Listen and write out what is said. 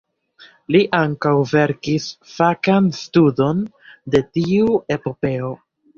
Li ankaŭ verkis fakan studon de tiu epopeo.